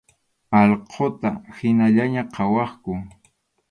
Allquta hinallaña qhawaqku.